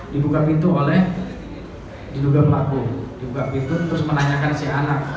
dibuka pintu oleh diduga pelaku juga gitu terus menanyakan si anak